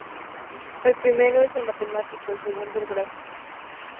El primero es el matemático, el segundo el gráfico.